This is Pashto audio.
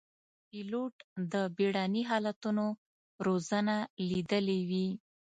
پیلوټ د بېړني حالتونو روزنه لیدلې وي.